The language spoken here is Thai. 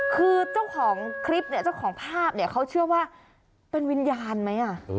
คือเจ้าของคลิปเนี่ยเจ้าของภาพเนี่ยเขาเชื่อว่าเป็นวิญญาณไหม